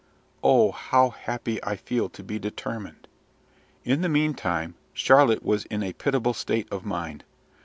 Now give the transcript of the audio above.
Oh, how happy I feel to be determined!" In the meantime, Charlotte was in a pitiable state of mind.